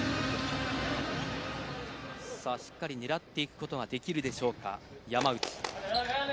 しっかり狙っていくことができるでしょうか、山内。